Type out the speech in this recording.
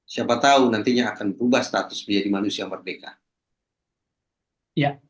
siapa tahu nantinya akan berubah status menjadi manusia merdeka